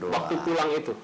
waktu pulang itu